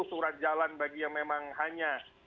berjalan bagi yang memang hanya